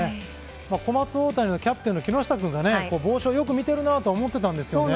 小松大谷のキャプテンの木下君が帽子をよく見ているなと思いました。